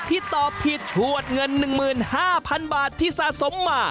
ตอบผิดชวดเงิน๑๕๐๐๐บาทที่สะสมมา